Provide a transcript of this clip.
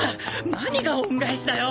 何が恩返しだよ！